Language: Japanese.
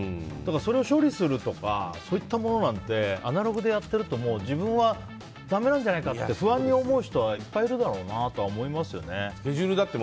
それを処理するとかそういったものなんてアナログでやってると自分はだめなんじゃないかって不安に思う人はスケジュールだって